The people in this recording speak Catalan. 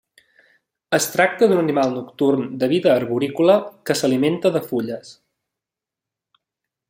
Es tracta d'un animal nocturn de vida arborícola que s'alimenta de fulles.